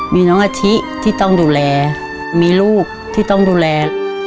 มีน้องอาชิที่ต้องดูแลมีลูกที่ต้องดูแล